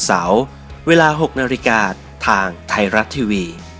สวัสดีครับ